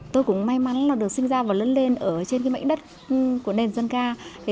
tôi cũng may mắn là được sinh ra và lớn lên ở trên mảnh đất của nền dân ca